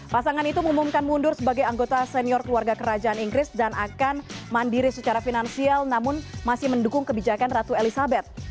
pasangan itu mengumumkan mundur sebagai anggota senior keluarga kerajaan inggris dan akan mandiri secara finansial namun masih mendukung kebijakan ratu elizabeth